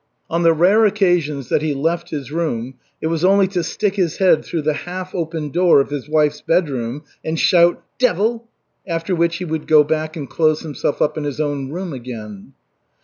On the rare occasions that he left his room it was only to stick his head through the half open door of his wife's bedroom and shout: "Devil!" After which he would go back and close himself up in his own room again.